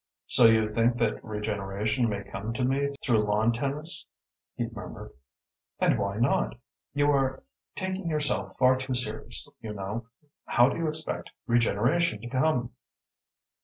"So you think that regeneration may come to me through lawn tennis?" he murmured. "And why not? You are taking yourself far too seriously, you know. How do you expect regeneration to come?"